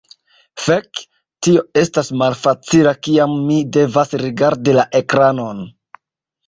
Fek, tio estas malfacila kiam mi devas rigardi la ekranon.